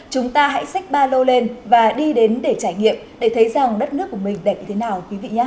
chúng ta hãy xách ba lô lên và đi đến để trải nghiệm để thấy rằng đất nước của mình đẹp như thế nào